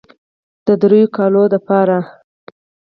د دريو کالو دپاره